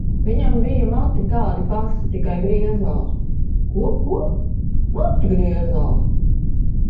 -Viņam bija mati tādi paši, tikai griežās. -Ko, ko? -Mati griežās.